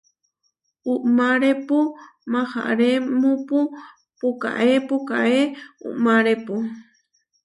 Uʼmárepu maharémupu puʼkáe puʼkáe uʼmárepu.